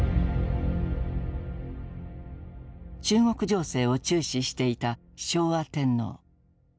中国情勢を注視していた昭和天皇。